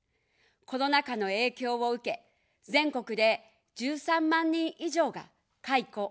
コロナ禍の影響を受け、全国で１３万人以上が解雇、雇い止めされました。